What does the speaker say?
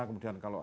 kemudian kalau mau